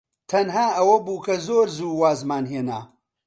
تەنها ئەوە بوو کە زۆر زوو وازمان هێنا.